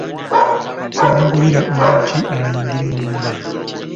Yamugulira oluggi ayingire e nnyumba.